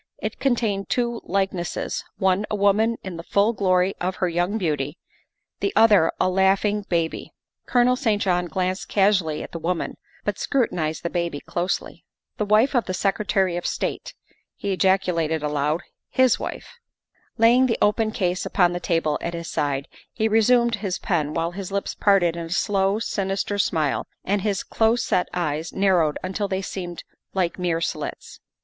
It contained two like nesses one a woman in the full glory of her young beauty, the other a laughing baby. Colonel St. John glanced casually at the woman, but scrutinized the baby closely. " The wife of the Secretary of State," he ejaculated aloud, " his wife." Laying the open case upon the table at his side, he resumed his pen while his lips parted in a slow, sinister smile and his close set eyes narrowed until they seemed like mere slits.